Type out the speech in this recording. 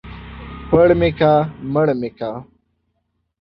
پړ مې که ، مړ مې که.